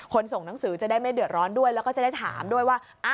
ส่งหนังสือจะได้ไม่เดือดร้อนด้วยแล้วก็จะได้ถามด้วยว่า